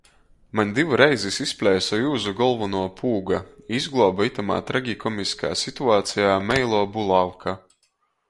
Maņ div reizis izpleisa iuzu golvonuo pūga i izgluobe itamā tragikomiskā situacejā meiluo bulavka.